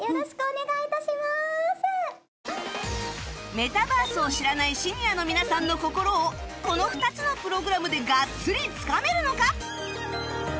メタバースを知らないシニアの皆さんの心をこの２つのプログラムでがっつりつかめるのか？